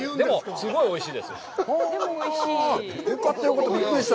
すごいおいしい。